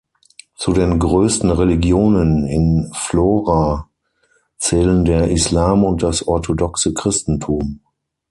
Zu den größten Religionen in Vlora zählen der Islam und das Orthodoxe Christentum.